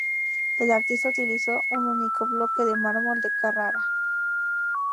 El artista utilizó un único bloque de mármol de Carrara.